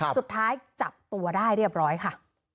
สุดท้ายจับตัวได้เรียบร้อยค่ะ